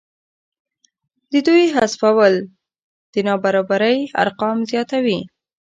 د دوی حذفول د نابرابرۍ ارقام زیاتوي